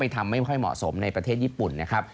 ทำไม่ค่อยเหมาะสมในประเทศญี่ปุ่นนะครับ